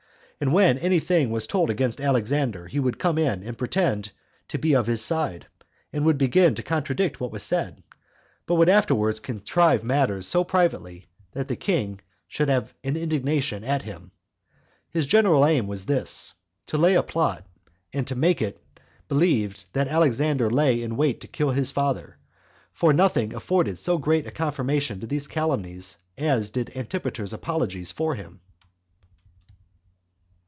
And when any thing was told against Alexander, he would come in, and pretend [to be of his side], and would begin to contradict what was said; but would afterward contrive matters so privately, that the king should have an indignation at him. His general aim was this, to lay a plot, and to make it believed that Alexander lay in wait to kill his father; for nothing afforded so great a confirmation to these calumnies as did Antipater's apologies for him.